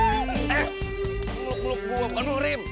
eh mulut gue penuh rim